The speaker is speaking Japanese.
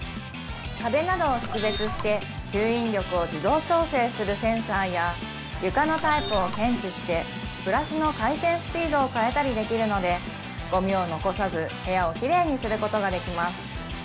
壁などを識別して吸引力を自動調整するセンサーや床のタイプを検知してブラシの回転スピードを変えたりできるのでゴミを残さず部屋をキレイにすることができます